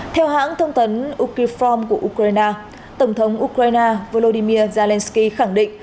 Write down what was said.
theo hãng thông tấn ukrform của ukraine tổng thống ukraine volodymyr zelenskyy khẳng định